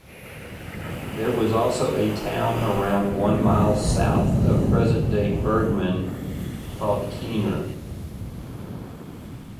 There was also a town around one mile south of present-day Bergman called Keener.